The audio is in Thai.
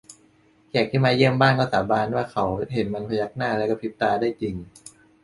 แขกที่มาเยี่ยมบ้านก็สาบานว่าเขาเห็นมันพยักหน้าและกะพริบตาได้จริง